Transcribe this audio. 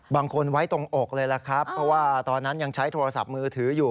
ไว้ตรงอกเลยล่ะครับเพราะว่าตอนนั้นยังใช้โทรศัพท์มือถืออยู่